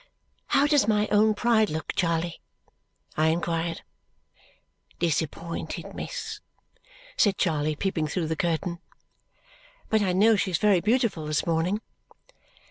"How does my own Pride look, Charley?" I inquired. "Disappointed, miss," said Charley, peeping through the curtain. "But I know she is very beautiful this morning."